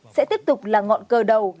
sẽ tiếp tục là ngọn cờ đầu